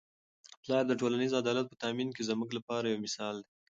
پلار د ټولنیز عدالت په تامین کي زموږ لپاره یو مثال دی.